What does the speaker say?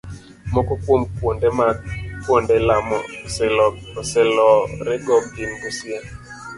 Moko kuom kuonde ma kuonde lamo oselorego gin Busia,